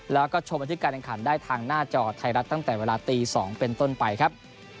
แล้วก็ชมบันทึกการแข่งขันได้ทางหน้าจอไทยรัฐตั้งแต่เวลาตี๒เป็นต้นไปครับ